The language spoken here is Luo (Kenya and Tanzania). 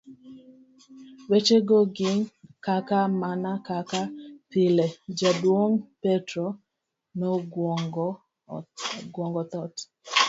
Wechego gin kaka, Mana kaka pile, jaduong Petro noguong'o thot